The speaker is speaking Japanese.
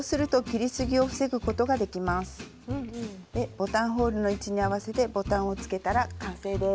ボタンホールの位置に合わせてボタンをつけたら完成です。